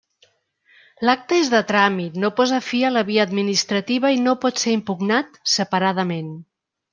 L'acte és de tràmit, no posa fi a la via administrativa i no pot ser impugnat separadament.